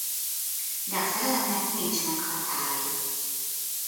De a szerelemnek nincsenek határai.